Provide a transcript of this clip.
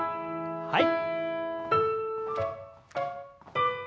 はい。